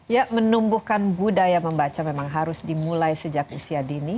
ya menumbuhkan budaya membaca memang harus dimulai sejak usia dini